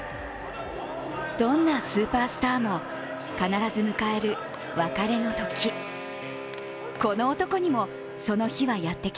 どんなスーパースターも必ず迎える別れのとき。